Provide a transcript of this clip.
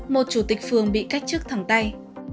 một chủ tịch phường bị cách chức thẳng tay